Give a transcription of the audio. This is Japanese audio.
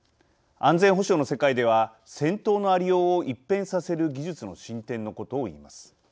安全保障の世界では戦闘のありようを一変させる技術の進展のことを言います。